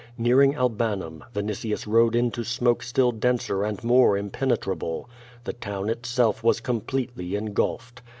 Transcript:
Nearing Albanum, Vinitius rode into smoke still denser and more impenetrable. The town itself was completely engulfed.